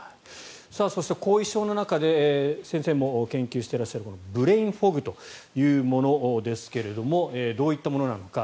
そして、後遺症の中で先生も研究していらっしゃるブレインフォグというものですがどういったものなのか。